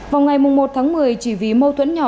vào ngày một tháng một mươi chỉ vì mâu thuẫn nhỏ